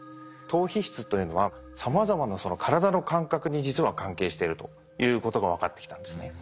島皮質というのはさまざまな体の感覚に実は関係しているということが分かってきたんですね。